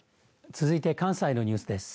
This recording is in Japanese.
続いて関西のニュースです。